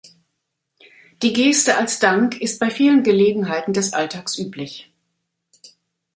Die Geste als Dank ist bei vielen Gelegenheiten des Alltags üblich.